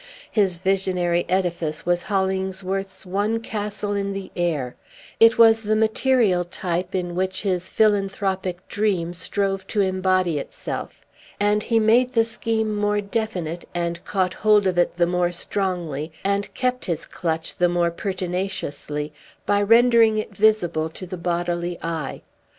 His visionary edifice was Hollingsworth's one castle in the air; it was the material type in which his philanthropic dream strove to embody itself; and he made the scheme more definite, and caught hold of it the more strongly, and kept his clutch the more pertinaciously, by rendering it visible to the bodily eye.